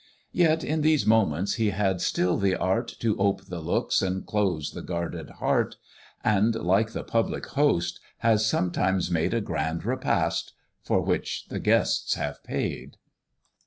Yet, in these moments, he had still the art To ope the looks and close the guarded heart; And, like the public host, has sometimes made A grand repast, for which the guests have paid.